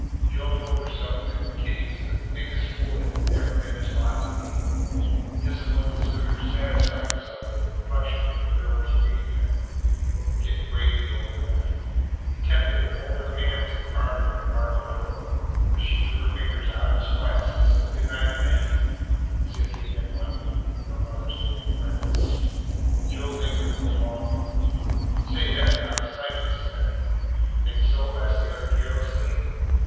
Joe told himself that Kitty was the biggest fool that it had ever been his lot to meet, and the disappointed suitor satisfied himself with the reflection that the girl was green yet, but would get bravely over that. He attempted to hold her hand as they parted at the parlour door, but she drew her fingers out of his clasp and said, "Good night; thank you," as if he had been one of her mother's old friends. Joe lingered a little longer. "Say, that was out o' sight," he said. "Think so?" asked the other carelessly.